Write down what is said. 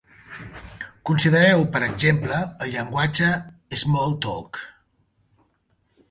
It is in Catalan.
Considereu, per exemple, el llenguatge Smalltalk.